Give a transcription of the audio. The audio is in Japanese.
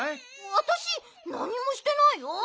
わたしなにもしてないよ。